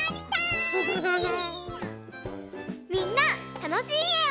みんなたのしいえを。